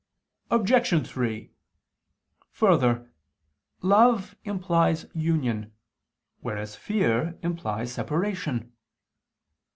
Obj. 3: Further, love implies union, whereas fear implies separation.